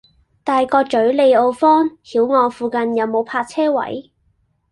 大角嘴利奧坊·曉岸附近有無泊車位？